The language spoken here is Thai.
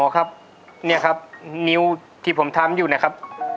ครับเนี่ยครับนิ้วที่ผมทำอยู่นะครับ